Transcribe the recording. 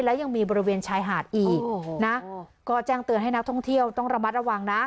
และยังมีบริเวณชายหาดอีกนะก็แจ้งเตือนให้นักท่องเที่ยวต้องระมัดระวังนะ